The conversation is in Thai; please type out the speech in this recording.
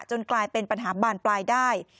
กลายเป็นปัญหาบานปลายได้